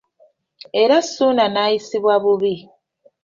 Era Ssuuna n’ayisibwa bubi.